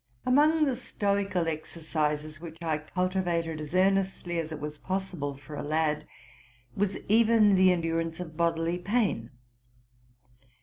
Among the stoical exercises which I cultivated, as ear nestly as it was possible for a lad, was even the endurance of bodily pain.